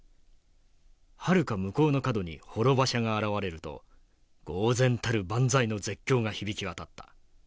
はるか向こうの角に幌馬車が現れるとごう然たる『万歳』の絶叫が響き渡った。